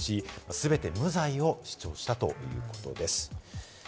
すべて無罪を主張したということです。